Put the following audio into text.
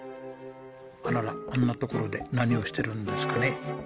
あららあんなところで何をしてるんですかね？